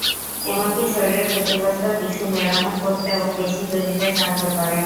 এমনকি শরীরের ক্ষতিগ্রস্ত টিস্যু মেরামত করতে ও পেশি তৈরিতে সাহায্য করে।